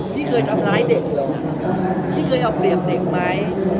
พี่เคยทำร้ายเด็กเหรอพี่เคยเอาเปรียบเด็กไหม